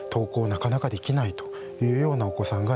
なかなかできないというようなお子さんがいらっしゃいます。